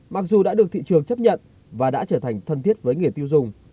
mặc dù đã được thị trường chấp nhận và đã trở thành thân thiết với người tiêu dùng